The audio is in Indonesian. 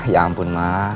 ya ampun ma